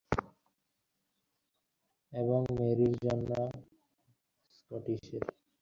তা হোক-না বাপু, আর-একটা বৎসর বৈ তো নয়।